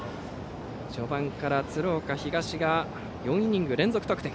序盤から鶴岡東が４イニング連続得点。